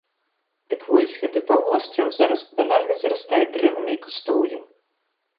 Дык вось, гэты паўвостраў зараз банальна зарастае дрэвамі і кустоўем!